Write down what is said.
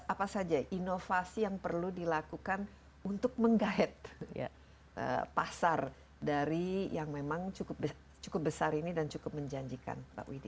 apa saja inovasi yang perlu dilakukan untuk menggait pasar dari yang memang cukup besar ini dan cukup menjanjikan pak widhi